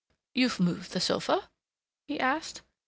"You've moved the sofa?" he asked.